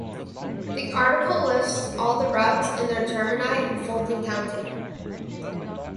This article lists all the routes and their termini in Fulton County.